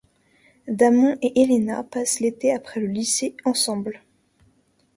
Damon et Elena passent l'été après le lycée ensemble.